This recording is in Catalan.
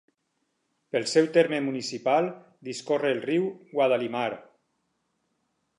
Pel seu terme municipal discorre el riu Guadalimar.